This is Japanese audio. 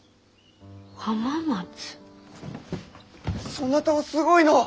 そなたはすごいのう！